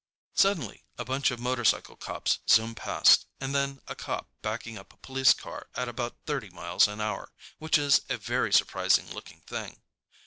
Suddenly a bunch of motorcycle cops zoom past, and then a cop backing up a police car at about thirty miles an hour, which is a very surprising looking thing.